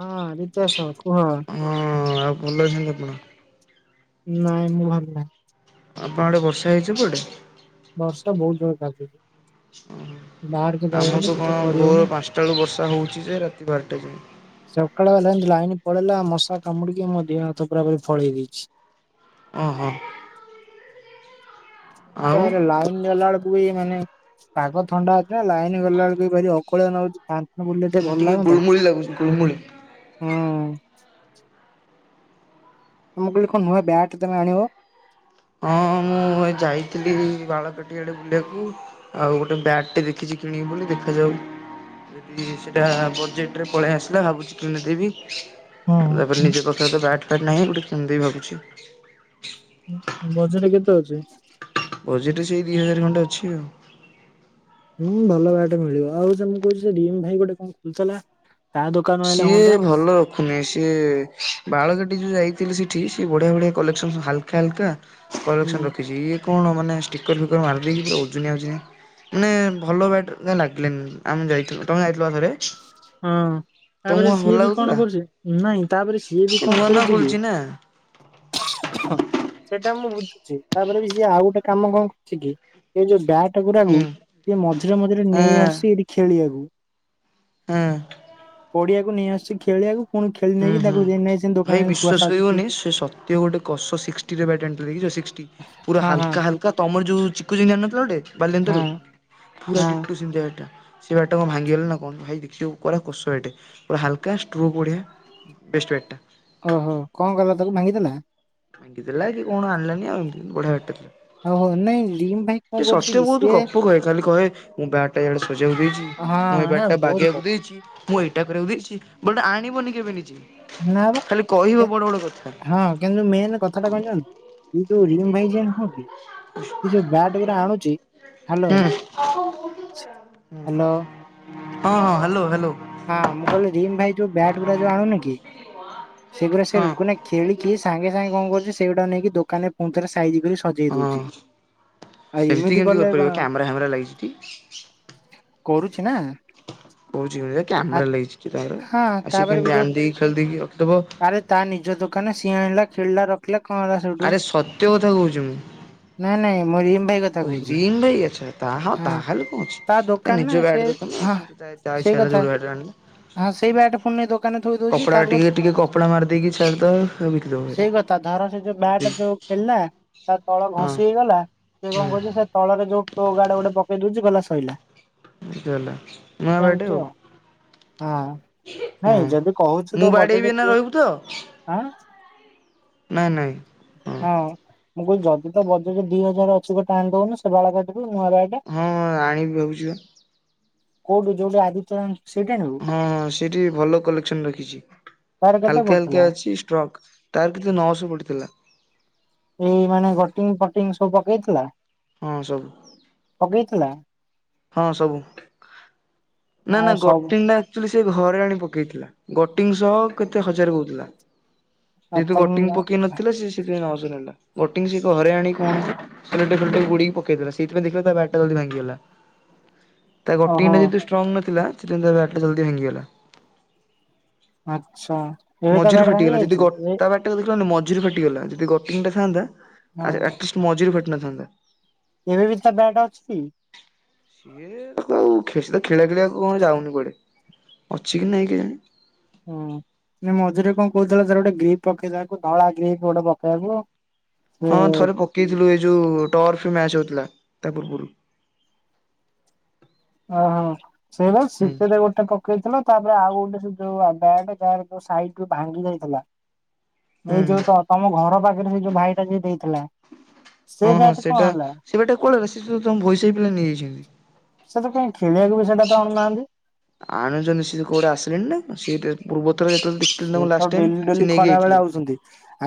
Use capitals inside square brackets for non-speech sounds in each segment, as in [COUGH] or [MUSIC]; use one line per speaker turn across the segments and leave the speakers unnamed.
ହଁ ରିତେଶ କୁହ
ହଁ ଆଉ ଭଲ ଅଛନ୍ତିଛନ୍ତି ଆପଣ?
ନାଇଁ ମୁଁ ଭଲ ନାହିଁ।
ଆମ ଆଡେ ବର୍ଷା ହେଇଛି କୁଆଡେ?
ବର୍ଷା ବହୁତ ଜରରେ ନାଦୁଛି।
[INAUDIBLE] ଆମ ତ
କିଛି
କଣ ଭୋର
କରିହଉନି।
ପାଞ୍ଚଟା ବେଳୁ ବର୍ଷା ହେଉଛି ଯେ ରାତି ବାରଟା ଯାଏ।
ସକାଳ ହେଲା ଯେମିତି ଲାଇନ ପଳେଇଲା ମଶା କାମୁଡିକି ମହ ହାତ ପୁରାପୁରି ଫୁଳେଇ ଦେଇଛି।
ଓ ହୋ।
ତା ପରେ ଲାଇନ ଗଲା ବେଳକୁ ମାନେ ପାଗ ଥଣ୍ଡା ଅଛି ନା ଲାଇନ୍ ଗଲାବେଳକୁ ଭାରି ନଉଛି।
ମୁଁ ଟିକେ ଗୁଳମୁଳି ଲାଗୁଛି ଗୁଳମୁଳି।
ହୁଁ। ମୁଁ କହିଲି କଣ ନୂଆ ବ୍ୟାଟ ତମେ ଆଣିବ?
ହଁ ମୁଁ ଏ ଯାଇଥିଲି ବାଳକାଟିଆଡେ ବୁଲିବାକୁ ଆଉ ଗୋଟେ ବ୍ୟାଟଟେ ଦେଖିଛି। କିଣିବି ବୋଲି ଦେଖାଯାଉ ଯଦି ସେଟା ବଜେଟରେ ପଳେଇ ଆସିଲା ଭାବୁଛି କିଣିଦେବି। ତାପରେ
ହଁ
ନିଜ ପାଖରେ ତ ବ୍ୟାଟ୍ ଫ୍ୟାଟ ନାହିଁ ଗୋଟେ କିଣିଦେବି ଭାବୁଛି।
ମଝିରେ କେତେ ଅଛି?
ବଜେଟ୍ ସେଇ ଦି ହଜାର ଖଣ୍ଡେ ଅଛି ଆଉ।
ହୁଁ ଭଲ ବାଟେ ମିଳିବ ଆଉ ତମ କହୁଛି ର ଭାଇ ଗୋଟେ କଣ ଖୋଲିଥିଲା? ତା ଦୋକାନ ଆଇଲେ
ସିଏ
ହୁଅନ୍ତା।
ଭଲ ରଖୁନି ସିଏ ବାଳକଟି ଯୋଉ ଯାଇ ସେଠି ସେ ବଢିଆ ବଢିଆ କଲେକ୍ସନ ହାଲକା ହାଲକା
ହୁଁ
କଲେକ୍ସନ ରଖିଛି। କଣ ମାନେ ଷ୍ଟିକର ଫିକର ମାରିଦକି ପୁରା ଓଜନିଆ ଓଜନିଆ। ମାନେ ଭଲ ବାଟ ଲାଗିଲାନି ଆମେ ଯାଇଥିଲୁ ତମେ ଯାଇଥିଲପା ଥରେ।
ହଁ
ତମକୁ
ତାପରେ
କଣ ଭଲ
ସିଏ ବି କଣ
ଲାଗୁଥିଲା?
କରୁଛି ନାଇଁ ତାପରେ ସିଏ ବି
ସେ
କଣ
ନୂଆ ନୂଆ
କରୁଛି କି
ଖୋଲିଛି ନା
[UNINTELLIGIBLE] ସେ ସେଇଟା ମୁଁ ବୁଝୁଛି ତାପରେ ବି ସିଏ ଆଉ ଗୋଟେ କାମ କଣ କରୁ କି ସେ ଯୋଉ ବ୍ୟାଗ୍ ଟାକୁଗୁ
ହୁଁ
ଯ ମଝିରେ ମଝିରେ
ହଁ
ନେଇ ଆସୁ ଏଇଠି ଖେଳିବାକୁ।
ହଁ।
ପଡିଆକୁ ନେଇ ଆସୁଛି ଖେଳିବାକୁ ପୁଣି ଖେଳି
ହୁଁ
ନେଇକି
ହୁଁ।
ତାଙ୍କୁ [UNINTELLIGIBLE]
ଭାଇ ବିଶ୍ଵାସ କରିବନି ସେ ସତ ଗୋଟେ [UNINTELLIGIBLE] ପୁରା
ହଁ ହଁ
ହାଲକା ହାଲକା ତମର ଯୋଉ ଚିକୁ ଯାଇକି ଆଣି ନଥିଲା ଗୋଟେ ବାଲିଏନ୍ତା
ହଁ
ରୁ ପୁରା
ହଁ
ଡିଟୁ ସେବାଗା ଏଟା। ସେ ବାଡ଼ି ଟା କଣ ଭାଙ୍ଗିଲା ନା କଣ ଭାଇ ଦେଖୁ ପୁରା କୁଶଳଟେ ଏ ପୁରା ହାଲକା ଷ୍ଟ୍ରୁ ବଡ଼ିଆ। ବେଷ୍ଟ ବାଡ଼ି ଟା।
ଓହୋ କଣ କଲା ତାକୁ ଭାଙ୍ଗିଦେଲା।
ଭାଙ୍ଗିଦେଲା କି କଣ ଆଣିଲାନି ଆଉ ଏମିତି ବଢିଆ ବାଡିଟେ।
ଓହୋ ନାଇଁ ରିମ୍ ଭାଇ କଣ
ଏ
କରୁଛି
ସତ୍ୟ
କି
ବହୁତ
ସିଏ
ଗପ କହେ ଖାଲି କହେ ମୁଁ ବ୍ୟାଟ ଟାଆଡେ ସଜେଇବାକୁ ଦେଇଛି
ହଁ
ମୁଁ ଏଇ
ହେ
ବ୍ୟାଟ ଟା
ବହୁତ କ
ବାଗେଇବାକୁ ଦେଇଛି। ମୁଁ ଏଇଟା କରିବାକୁ ଦେଇଛି ବଟ୍ ଆଣିବନି କେବେ ନିଜେ।
ନା ବା
ଖାଲି କହିବ ବଡ ବଡ କଥା।
ମେନ କଥା ଟା କଣ ଜାଣିଲୁ ଯୋଉ ରିମ ଭାଇ ନୁହଁ କି ଯୋଉ ବ୍ୟାଟ ଉରା ଆଣୁଛି
ହୁଁ ହୁଁ ହଁ
ହାଲୋ
ହଁ ହାଲୋ ହାଲୋ।
ହଁ ମୁଁ କହିଲି ରିମ୍ ଭାଇ ଯୋଉ ବ୍ୟାଟ୍ ଗୁଡାଯୋଉ ଆଣୁନି କି? ସେଗୁରାକ
ହଁ
ସେ ଙ୍କୁ ଖେଳିକି ସାଙ୍ଗେ ସାଙ୍ଗେ କଣ କରୁଛି ସେଇଗୁଡାକ ନେଇକି ଦୋକାନରେ ପୁଣି ଥରେ ସାଇଜି କରିକି ସଜେଇ
ହଁ।
ଦଉଛି।
ସେମିତି କେମିତି କରିପାରିବ କ୍ୟାମେରା ଫ୍ୟାମେରା ଲାଗିଛି ଟି।
କରୁଛି ନା।
କହୁଛିତି
ଆ
କ୍ୟାମେରା ଲାଗଛି କି ତାଙ୍କର
ହଁ
ଆସିକି
ତାପରେ ବି
କେମତି
ଯୋଉ
ଆଣି ଦେଇକି ଖେଳି ଦେଇକିରଖିଦବ
ଆରେ ତା ନିଜ ଦୋକାନ ସିଏ ଆଣିଲା ଖେଳିଲା ରଖିଲା କଣ ହେଲା ସେଉଠୁ
ଆରେ ସତ୍ୟ କଥା
ନାଇଁ ନାଇଁ। ମୁଁ ରିମ୍ ଭାଇ
[UNINTELLIGIBLE]
କଥା କହୁଚି
ତେଲ ଯୋଉଠୁ ଗାଡ଼ିରେ
ହଁ ତା ଦୋକାନ ନା ସେ
ଆଣିଲେ
ହଁ ସେଇ କଥା ହଁ ସେଇ ବ୍ୟାଟ୍ ପୁଣି ନେଇ ଦୋକାନରେ ଥୋଇ ଦଉଚି
କପଡା
ତାର
ଟିକେ ଟିକେ କପଡା ମାରିଦେଇକି ଛାଡ ତ ବିକିଦବୁ ବାରି।
ସେଇ କଥା ଧର ସେ ଯୋଉ ବ୍ୟାଟ ଯୋଉ ଖେଳିଲା ତା ତଳ
ହଁ
ଘଷି ହେଇଗଲା ସେ କଣ
ହୁଁ
କହୁଛି ସେ ତଳରେ ଯୋଉ ପ୍ରୋହ ଗାଡ ଗୋଟେ ପକେଇ ଦଉଛି ଗଲା ସଇଲା।
ଏମିତି ହେଲ ନୂଆ ବ୍ୟାଟ ଆଉ।
ହଁ ନାଇଁ
ହଁ।
ଯଦି କହୁଛୁ
ମୁଁ
ତ
ବାଡେଇବି
ବଜେଟ
ଏଇନା
ଦିଅ
ରହିବୁ ତ
ହାଁ
ନାଇଁ ନାଇଁ ହଁ।
ମୁଁ କହୁଛି ଯଦି ତ ବଜେଟ ଦି ହଜାର ଅଛି ଗୋଟେ ଆଣି ଦଉନୁ ସେ ବାଳାକାଟି
ହଁ ଆଣିବି ଭାବୁଛି ପା।
କୋଉଠୁ ଯୋଉଠୁ ଆଦିତ୍ୟ ସେଇଠି ଆଣିବୁ
ହଁ ସେଠି ଭଲ କଲେକ୍ସନ ରଖିଛି।
ତାର କେତେ
ହାଲକା
ପଡିଥିଲା
ହାଲକା ଅଛି ଷ୍ଟ୍ରକ୍ ତାର କେତେ ନଅ ଶହ ପଡିଥିଲା।
ଏଇ ମାନେ ଗଟିଙ୍ଗି ଫଟିଙ୍ଗି ସବୁ ପକେଇଥିଲା।
ହଁ ସବୁ
ପକେଇଥିଲା।
ହଁ ସବୁ। ନା
ଆ
ନା
ସବୁ
ଗଟିଙ୍ଗିଟା ଆକଚୁଆଲି ସେ ଘରେ ଆଣି ପକେଇଥିଲା ଗଟିଙ୍ଗି ସହ କେତେ ହଜାର କହୁଥିଲା?
ଆ
ଯେହେତୁ ଗୋଟିଙ୍ଗି
ତାହେଲେ
ପକେଇ ନଥିଲା ସେ ସେଥିପାଇଁଥିଲା ନଅ ଶହ ଓଜନିଆଟା ଗଟିଙ୍ଗି ସେ କ ଘରେ ଆଣି କଣ ସେଲଟେପେଲେଟ ଗୁଡ଼େଇପକେଇଦେଲା ସେଇଥିପାଇଁ ଦେଖିଲା ତା ବ୍ୟାଟ ଟା ଜଲ୍ଦୀ ଭାଙ୍ଗିଗଲା। ତା ଗୋଟିଙ୍ଗି
ଓହୋ
ଟା ଯେତୁ ଷ୍ଟ୍ରଙ୍ଗ ନଥିଲା ସେଥିପାଇଁ ତା ବ୍ୟାଟ ଟା ଜଲଦି ଭାଙ୍ଗିଗଲା।
ଆଚ୍ଛା ଏବେ ତା
ମଝିରୁ
ବ୍ୟାଟ୍ ଭାଙ୍ଗି
ଫାଟିଗଲା ଯଦି ଗ
ଯାଇଛି। ଏ
ତା ବାଟ ଟା ଦେଖିଲନି ମଝିରୁ ଫାଟିଗଲା ଯଦି ଗଟିଙ୍ଗି ଟା ଥାନ୍ତା ଆ
ହଁ
ଆଟିସ ମଝିରୁ ଫାଟି ନଥାନ୍ତି।
ଏବେ ବି ତା ବ୍ୟାଟ ଅଛି କି?
ସିଏ କଉ କିସ୍ ତ ଖେଳିଆ ଖେଳିଆକୁ କଣ ଯାଉନି କୁଆଡେ? ଅଛି କି ନାହଁ କେଇହାଣି।
ହୁଁ। ମଝିରେ କଣ କହୁଥିଲା ତାର ଗୋଟେ ଗ୍ରୀପ୍ ପକେଇଦବାକୁ ଧଳା ଗ୍ରୀପ୍ ଗୋଟେପକେଇବାକୁ।
ହଁ ଥରେ ପକେଇଥିଲୁ ଏ ଯଉ ଟର୍ଫ ମ୍ୟାଚ ହଉଥିଲା ତା ପୂର୍ବରୁ।
ଓହୋ ସେଇ ବା
ହୁଁ
ଶୀତରେ ଗୋଟେ କପ ପକେଇଥିଲ ତାପରେ ଆଉ ଗୋଟେ ବ୍ୟାଟପ୍ୟାଟ ସାଇଟୁରୁ ଭାଙ୍ଗି ଯାଇଥିଲା ଏଇ
ହୁଁ
ଯୋଉ ତ ତମ ଘର ପାଖରେ ସେ ଯୋଉ ଭାଇଟା ଯିଏ ଦେଇଥିଲା ସେ
ହଁ ହଁ
ବ୍ୟାଟ୍ କଣ
ସେଟା
ହେଲା
ସେ ବାଟେ କୁଆଡ଼େ ଗଲା ସେ ଯୋଉ ତମ ଭଇସାଇ ପିଲା ନେଇଯାଇଚ଼ତି।
ସେ ତ କାଇଁ ଖେଳିବାକୁ ବି ସେଟା ତ ଆଣୁନାହାନ୍ତି।
ଆଣୁଛନ୍ତି ସିଏ କୋଉଟା ଆସିଲେଣି ନା ସିଏ ପେ ପୂର୍ବ
ସେ ତ ଡେଲି ଡେଲି ଖରା ବେଳେ
ଯାଇଥିଲେ।
ଆଉଚ଼ନ୍ତି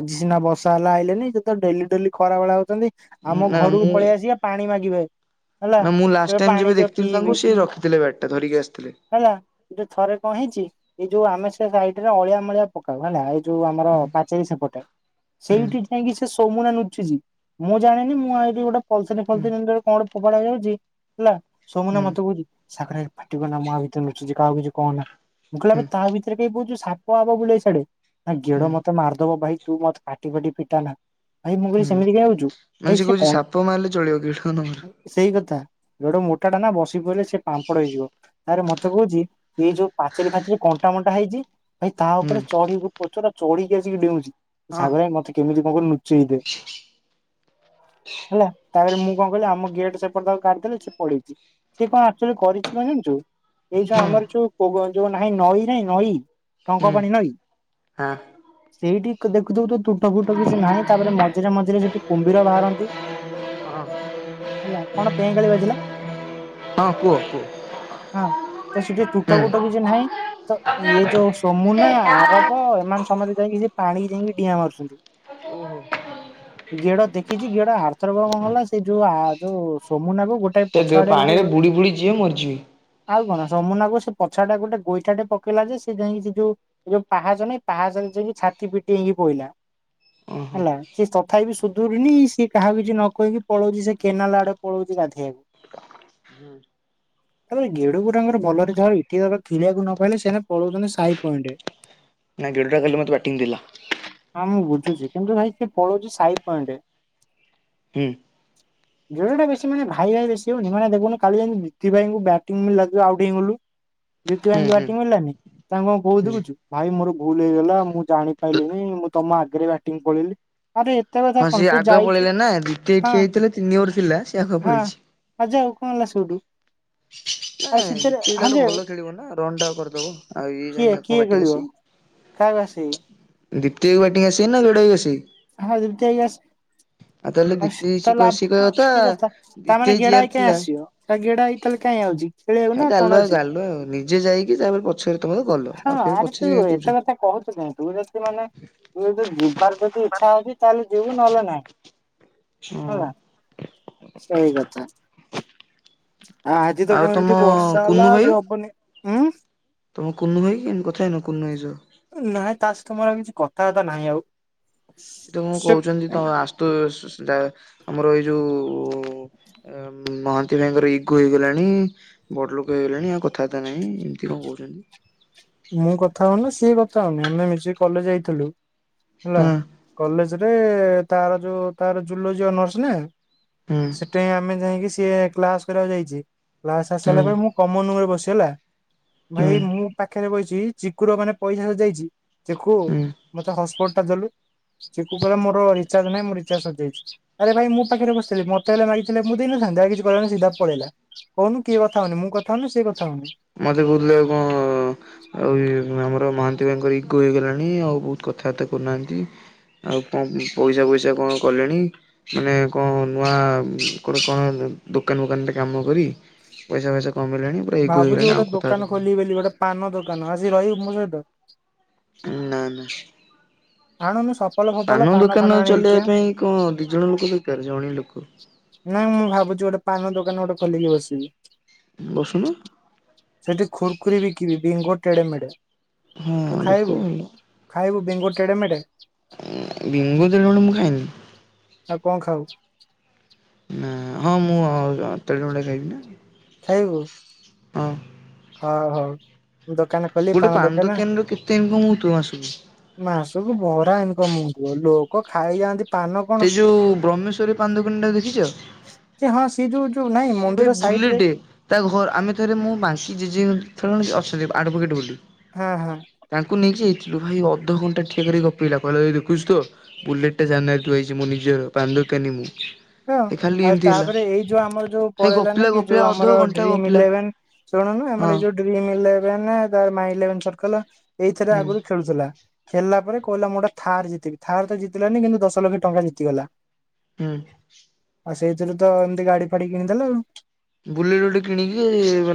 ଆଜି ସିନା ବସ୍ ତଏଲା ଆଇଲେନି ସେତ ଡେଲି ଡେଲି ଖରା ବେଳେ ଆଉଚ଼ନ୍ତି ଆମ
ନା
ଘରକୁ
ମୁଁ
ପଳେଇ ଆସିବା ପାଣି ମାଗିବେ। ହେଲା
ନା ମୁଁ ଲାଷ୍ଟ
କହିବେ
ଟାଇମ୍
ପାଣି
ଯେବେ
ଦିଅ
ଦେଖିଥିଲି
ପିଇବି
ତାଙ୍କୁ ସେ ରଖିଥିଲେ ବ୍ୟାଟ ଟା ଧରିକି ଆସ୍ ଥିଲେ।
ହେଲା ସେଠୁ ଥରେ କଁ ହେଇଚ଼ି ଏ ଯୋଉ ଆମ ସେ ସାଇଡ୍ ରେ ଅଳିଆ ମଳିଆ ପକାଉ ହେଲା ଏ ଯୋଉ ଆମର
ହୁଁ
ପାଚୋରୀ ସେପଟେ
ହୁଁ
ସେଇଠି ଯାଇକି ସେ ସୋମୁନା ନୁ ଚିଛି ମୁଁ ଜାଣିନି ମୁଁ ଆଇଠି ଗୋଟେ ପଲ
ହୁଁ
[UNINTELLIGIBLE] କଣ ଫୋପାଡ଼ିଆକୁ ଯାଇଚି ଏଲା ସୋମୁନା
ହୁଁ
ମତେ କହୁଚ଼ି ସାବରେ ପାଟି କରନା ମୁ ଆ ଭିତରେ ନୁଚୁଛି କାହାକୁ କିଛି କହନା। ମୁଁ କହିଲେ
ହୁଁ
ଆବେ ତା ଭିତରେ କାଇ ପଇଛୁ ସାପ ଫାପ ବୁଲେ ସିଆଡେ ନା
ହୁଁ
ଗେଡ ମତେ ମାରଦବ ଭାଇ। ତୁ ମତ୍ ପାଟି ଫାଟି ଫିଟାନା। ଭାଇ ମୁଁ କହିଲି
ହୁଁ।
ସେମିତି କାଇଁ ହଉଚୁ
ମାନେ
ଭାଇ ସେ
କହୁଛି
କଁ
ସାପ ମାରିଲେ ଚଳିବ ଗିଡ ନ ମାରୁ
ସେଇ କଥା। ଧେଡୁ ମୋଟା ଟା ନା ବସିି ପଇଲେ ସେ ପାମ୍ପଡ ହେଇଯିବ। ତାରେ ମତେ କହୁଚ଼ି ଏଇ ଯୋଉ ପାଚେରି ଫାଚେରି କଣ୍ଟା ମଣ୍ଟା ହେଇଚ଼ି ଭାଇ ତା
ହୁଁ
ଉପରେ ଚଢି ପଛର ଚଢିକି ଆସିକି ଡେଉଁଚ଼ି
ହଁ
ଶାଗର ଆଇ ମତେ କେମିତି କଁ କରି ନୁଚ଼େଇ ଦେ।
[INAUDIBLE]
ହେଲା ତାପରେ ମୁଁ କଁ କଲି ଆମ ଗେଟ୍ ସେପଟ୍ ତାକୁ କାଢିଦେଲି ସେ ପଳେଇଚ଼ି। ସେ କଁ ଆକଚ଼ୋଲି କରିଛି କଁ ଜାଣିଛୁ ଏଇ ଯୋଉ
ହୁଁ
ଆମର ଯୋଉ ପୌଉ ଯୋଉ ନାହିଁ ନଈ ନାଇଁ ନଈ। ଟଙ୍କ
ହୁଁ
ପାଣି ନଈ
ହଁ
ସେଇଠିକ ଦେଖୁଥିବୁ ତୁ ତୁଠ ଫୁ ଟ କିଛି ନାହିଁ ତାପରେ ମଝିରେ ମଝିରେ ସେଠି କୁମ୍ଭୀର ବାହାରନ୍ତି।
ହଁ।
ହେଲା କଣ ପେଁ କାଳି ବାଜିଲା?
ହଁ କୁହ କୁଅ।
ହଁ ତ ସେଠି ତୁଠ ଫୁଟ କିଛି ନାହିଁ ତ ଇଏ ଯୋଉ ସୋମୁନା, ଆରବ ଏମାନେ ସମତେ ଯାଇକି ସେ ପାଣି ଯାଇଁକି ଡିଆଁ ମାରୁଚ଼ନ୍ତି।
ଓହୋ
ଗେଡ ଦେଖିଚ଼ି ଗେଡ ଆରଥର କଁ କଲା ସେ ଯୋଉ ଆ ଯୋଉ ସୋମୁନା କୁ ଗୋଟେ
ସେ
ପଛଆଡେ ଗୋଟେ
ପାଣିରେ ବୁଡି ବୁଡି ଯିଏ ମରିଯିବି
ଆଉ କଣ ଯମୁନାକୁ ସେ ପଛଟା ଗୋଟେ ଗୋଇଠାଟେ ପକେଇଲା ଯେ ସେ ସେ ଯାଇଁକି ସେ ଯୋଉ ଯୋଉ ପାହାଚ ନାଇଁ ପାହାଚରେ ଯାଇକି ଛାତି ପିଟି ହେଇକି ପଇଲା।
ଓହୋ।
ହେଲା ସିଏ ତଥାପି ବିି ସୁଧୁରୁନି ସିଏ କାହାକୁ କିଛି ନ କହିକି ପଳଉଚ଼ି ସେ କେନାଲ ଆଡେ ପଳଉଚ଼ି ଗା ଧେଆକୁ।
[INAUDIBLE]
ତାପରେ ଗେଡଗୁଡାଙ୍କର ଭଲରେ ଝର ଇଠିକାର ଖିଳିଆକୁ ନ ପାଇଲେ ସେ ନା ପଳଉଚ଼ନ୍ତି ସାାଇ ପଏଣ୍ଟେ।
ନାଇ ଗେଡୁଟା କାଲି ମତେ ବ୍ୟାଟିଂ ଦେଲା।
ହଁ ମୁଁ ବୁଝୁଚ଼ି କିନ୍ତୁ ଭାଇ ପଳଉଚ଼ି ସାଇ ପଏଣ୍ଟେ।
ହୁଁ
ଗେଡ଼ଟା ବେଶୀ ମାନେ ଭାଇ ଭାଇ ବେଶୀ ହଉନି ମାନେ ଦେଖୁନୁ କାଲି ଯେମି ଦି ଦି ଭାଇଙ୍କୁ ବ୍ୟାଟିଂ ଲାଗିଲ ଆଉଟ ହେଇଗଲୁ ଦିିତୁ
ହୁଁ
ଭାଇଙ୍କି
ହୁଁ
ବ୍ୟାଟିଂ ମିଲିଲାନି ତାଙ୍କ କୋଉଦୁ
ହୁଁ।
ବୁଚୁ ଭାଇ ମୋର ଭୁଲ ହେଇଗଲା ମୁଁ ଜାଣିପାଇଲି ମୁଁ ତମ ଆଗରେ ବ୍ୟାଟିଂ ପଳେଇଲି। ଆରେ ଏତେ କଥା
ହଁ
କଣ
ସିଏ
ତୁ
ଆଗ
ଯାଇଛୁ
ପଳେଇଲା ନା ଦିତୀଏ
ହଁ
ଠିଏ ହେଇଥିଲେ ତିନି ଓବର ପିଲା ସେ ଆଗ ପଳେଇଛି।
ଆ ଯାଉ କଁ ଏଲା ସେଉଟୁ?
[INAUDIBLE] ନାଇଁ ଜିତୁ ଆଇ ତାଠୁ ଭଲ ଖେଳିବ ନା ରନ୍ ଟା କରଦବ ଆଉ ଇଏ ଯାଇଁ ଆକୁ କଁ ବ୍ୟାଟିଂ ଆସି।
କାଆକୁ ଆସିଇଁ?
ଦୀପ୍ତି କୁ ବ୍ୟାଟିଂ ଆସେ ନା ଗେଡ଼ କୁ ଆସେଇ?
ହଁ ଦିପ୍ତି ଆଇ କୁ ପା ଆସ୍।
ଆ ତାଲେ।
ଆସ୍ ତା ଲାଭ କି କଥା ତା
ଦ୍ୱିତୀୟ
ମାନେ ଗେଡ
ଯିଆର
ଆଇ କାଇଁ
ଥିଲା
ଆସିବ ତା ଗେଡ ଆଇ ତାଲେ କାଇଁ ଆଉଚ଼ି?
ହେ ଗାଲୁଆ ଗାଲୁଆ ଆଉ ନିଜେ ଯାଇକି ତାପରେ ପଛରେ ତମେ ଗଲ ଆଉ ଫେରେ ପଛରେ କାଇଁ କୋଉଚ଼।
[UNINTELLIGIBLE] ଚ଼ି ନାଇଁଁ ତୁ ଅଟେ ଯଦି ମାନେ ତୁ ଯଦି ଯିବାର ଯଦି ଇଚ୍ଛା ହଉଚ଼ି ତାଆଲେ ଯିବୁ ନଏଲେ ନାଇଁ। ହେଲା, ସେଇକଥା। ଆଜି ତ
ଆଉ
କଣ
ତମ
ଏମିତି ବର୍ଷା ହେଲା
କୁନୁ ଭାଇ
ଆଜି ହବନି ହୁଁ।
ତମ କୁନୁ ଭାଇ, କଥା ହେଇନୁ କୁନୁ ଭାଇ ସହ
ତମର କିଛି କଥାବାର୍ତ୍ତା ନାହିଁ ଆଉ?
ସେଟାକୁ
ସେ
କହୁଛନ୍ତି ତ ଆସୁ ଆମର ଏଇ ଯୋଉ ମହାନ୍ତି ଭାଇଙ୍କର ଇଗୋ ହେଇଗଲାଣି, ବଡଲୋକ ହେଇଗଲାଣି ଆଉ କଥାବାର୍ତ୍ତା ନାହିଁ ଏମିତି କ କହୁଚନ୍ତି।
ମୁଁ କଥା ହଉନା ସିଏ କଥା ହଉନି ଆମେ ମିଜେ କଲେଜ ଯାଇଥିଲୁ ହେଲା
ହଁ
କଲେଜ ସେ ତାର ଯୋଉ ତାର ଜୁଲୋଜି ଅନର୍ସ ନା,
ହୁଁ
ସେଠେଇ ଆମେ ଯାଇକ ସିଏ କ୍ଲାସ କରିବାକୁ ଯାଇଛି, କ୍ଲାସ
ହୁଁ
ଆସିସାରିଲା ପରେ ମୁଁ କମନ ରୁମ ରେ ବସି ହେଲା
ହୁଁ
ଭାଇ ମୁଁ ପାଖରେ ବହିଛି ଚିକୁର ମାନେ ପଇସା ସ ଯାଇଛି। ଦେଖୁ
ହୁଁ।
ମତେ ହସପୋର୍ଟ ଟା ଦେଲୁ ସେ କହିଲା ମୋର ରିଚାର୍ଜ ନାଁ ମୁଁ ରିଚାର୍ଜସରିଯାଇଛି, ଆରେ ଭାଇ ମୋ ପାଖରେ ବସିଥିଲି ମତେ ହେଲେ ମାଗିଥିଲେ ମୁଁ ଦେଇନଥିଲି ଡାଇରେକ୍ଟ କିଛି କହିଲାନି ପଳେଇଲା, କହୁନୁ କିଏ କଥା ହଉନି? ମୁଁ କଥାଉନି ନା ସିଏ କଥା ହଉନି
ମତେ କହୁଥିଲେ କ ଆ ଆମର ମହାନ୍ତି ଭାଇଙ୍କର ଇଗୋ ହେଇଗଲାଣି ଆଉ ବହୁତ କଥାବାର୍ତ୍ତା କରୁନାହାନ୍ତି ଆଉ କଣ ପଇସା ପଇସା କଣ କଲେଣି, ମାନେ କଣ ନୂଆ କଣ ଦୋକାନ ଫୋକାନ ରେ କାମକରି ପଇସା ଫଇସା କମେଇଲାଣି ଇଗୋ
ଭାବୁଛି
ହେଇଗଲାଣି ଆଉ
ଗୋଟେ
କଥାବାର୍ତ୍ତା
ଦୋକାନ
କହୁନି।
ଖୋଲିବି ବୋଲି ଗୋଟେ ପାନ ଦୋକାନ ଆସିକି ରହିବୁ ମୋ ସହିତ?
ନା ନା
ଆଣୁନୁ ସଫଲ ଫପଲ ପାନ
ଦୋକାନ
ଫାନ ଆଣି
ଚଲେଇବା ପାଇଁ କଣ ଦି ଜଣ ଲୋକ
ବିକିବା
ଦରକାର ଜଣେ ଲୋକ।
ନାଇଁ ମୁଁ ଭାବୁଛି ଗୋଟେ ପାନ ଦୋକାନ ଗୋଟେ ଖୋଲିକି ବସିବି।
ବସୁନ
ସେଠି ଖୁୁରକୁୁରୀ ବିକିବି ବିଙ୍ଗୋ ଟେଡେ ମେଢେ
ହଁ
ତୁ ଖାଇବୁ?
ବିକ ଭଲ
ଖାଇବୁ ବେଙ୍ଗୋ ଟେଡେ ମେଢେ
ବିଙ୍ଗୋ ତେଢ଼େ ମେଢେ ମୁଁ ଖାଏନି।
ଆଉ କଣ ଖାଉ?
ନା ହଁ ମୁଁ ତେଢ଼େ ମେଢେ ଖାଇବି ନା
ଖାଇବୁ?
ହଁ
ହଉ ହଉ ଦୋକାନ ଖୋଲି
ଗୋଟେ ପାନ
ଦୋକାନ
ଦୋକାନରୁ କେତେ ଇନକମ ହଉଥିବ ମାସକୁ?
ମାସକୁ ବରା ଇନକମ ଲୋକ ଖାଇଯାଆନ୍ତି। ପାନ କଣ
ସେ ଯୋଉ ବ୍ରହ୍ମେଶ୍ଵରୀ ପାନଦୋକନ ଟା ଦେଖିଛ?
ଯେ ହଁ ସିଏ ଯୋଉ ଯୋଉ ନାଇଁ
ସିଏ
ମନ୍ଦିର
ଭାଇ
ସାଇଡ ରେ
ବୁଲେଟେ ତା ଘର ଆମେ ଥରେ ମୁଁ ବା ଅଛନ୍ତି ଆଡଭୋକେଟ ବୋଲି
ହଁ ହଁ
ତାଙ୍କୁ ନେଇକି ଭାଇ ଅଧଘଣ୍ଟା ଠିଆକରାଇ ଗପିଲା -କହିଲ ଦେଖୁୁଛୁ ତ ବୁଲେଟ ଟା ସାମ୍ନାରେ ଥୁଆ ହେଇଛି, ମୁଁ ନିଜେ ଦୋକାନୀ ମୁଁ
ହଁ
ଏ ଖାଲି
ଆଉ
ଏମିତି ହେଲା
ତାପରେ ଏଇ ଯୋଉ ଆମର ଯୋଉ
ଭାଇ
ପଳେଇଲାନି
ଗପିଲା
କି ଯଉ
ଗପିଲା ଅଧ
ଆମର
ଘଣ୍ଟା
ଡ୍ରିମ
ଗପିଲା
ଇଲେଭନ ଶୁଣୁନୁ ଆମର
ହଁ
ଯଉ ଇ [UNINTELLIGIBLE] କଲ ଏଇଥିରେ
ହୁଁ
ଆଗରୁ ଖେଳୁଥିଲା ଖେଳିଲା ପରେ କହିଲା ମୁଁ ଗୋଟେ ଥାର୍ ଜିତିିବି, ଥାର ତ ଜିତିଲାନି କିନ୍ତୁ ଦଶ ଲକ୍ଷ ଟଙ୍କା ଜିତିଗଲା।
ହୁଁ ଉଁ
ଆଉ ସେଇଥିରୁ ତ ଏମିତି ଗାଡି ଫାଡି କିଣିଦେଲା ଆଉ
ବୁଲେଟ ଗୋଟେ କିଣିକି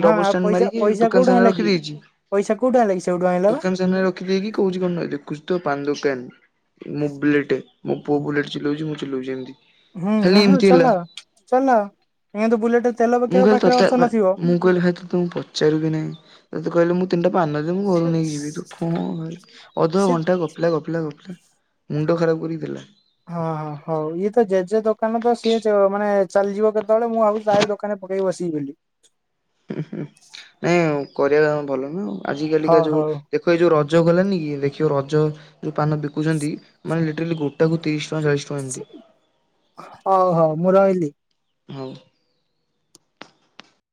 ହଁ ଆଉ
ଡବଲଷ୍ଟାଣ୍ଡ
ପଇସା
ମାରିକି
ପଇସା
ଦୋକାନ
କୋଉଠୁ
ସାମନାରେ
ଆଣିଲା କି?
ରଖିଦେଇଛି।
ପଇସା କୋଉଠୁ ଆଣିଲା କି ସେଇଠୁ ଆଣିଲା ବା।
ଦୋକାନ ସାମ୍ନାରେ ରଖିଦେଇକି କହୁଛି କଣ ନ ଦେଖୁଛି ତ ପାନ ଦୋକାନ। ମୋ ବୁଲେଟ ମୋ ପୁଅ ବୁଲେଟ ଚଲଉଛି, ମୁଁ ଚଲଉଛି ଏମିତି।
ହୁଁ
ଖାଲି
ଆ
ଏମିତି ହେଲା
ଚଲ ଚଲ ଇ ତ ବୁଲେଟ ତେଲ
ମୁଁ
ପକେଇବା
କହିଲ
ପାଖରେ
ତୋତେ
ଅର୍ଥ
ଏବେ
ନଥିବ।
ମୁଁ କହିଲ ତତେ ତ ପଚାରିବି ନାହିଁ ତତେ କହିଲେ ମୁଁ ପାନଦ ମୁଁ ଘରୁ
ସେ
ନେଇକି ଯିବି ତୁ କଣ ଭ ଅଧ
ସେ
ଘଣ୍ଟା ଗପିଲା ଗପିଲା ଗପିଲା ମୁଣ୍ଡ ଫଟୋ ଖରାପ କରିଥିଲା
ହଁ ହଁ ହଉ ଇଏ ତ ଜେଜେ ଦୋକାନ ତ ସିଏ ମାନେ ଚାଲିଯିବ କେତେବେଳେ ମୁଁ ଭାବୁଛିି ତା ଦୋକାନ କ ବସି ବଲି
ହୁଁ ହୁଁ ନାଇଁ କରିବା ଭଲ ନା ଆଜି କାଲିକା
ହଉ
ଯୋଉ
ହଉ
ଦେଖ ଏଇ ଯୋଉ ରଜ ରଜ ଗଲାନି କି ଦେଖିବ ରଜ ଯେଉଁ ପାନ ବିକୁଛନ୍ତି ମାନେ ଲିଟେଲି ଗୋଟ ଟାକୁ ତିରିଶ ଟଙ୍କା ଚାଳିଶ ଟଙ୍କା ଏମିତି
ହଉ ହଉ ମୁଁ ରହିଲି।
ହଉ